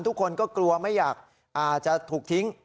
ทุกคนก็กลัวไม่อยากอาจจะถูกทิ้ง